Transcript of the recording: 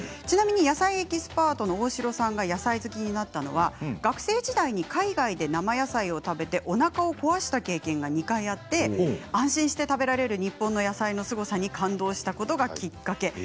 ちなみに野菜エキスパートの大城さんが野菜好きになったのは学生時代に海外で生野菜を食べておなかを壊した経験が２回あって安心して食べられる日本の野菜のすごさに感動したことがきっかけ。